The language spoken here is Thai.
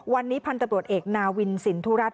วันนี้พันธุ์ตำรวจเอกนาวินสินทุรัติ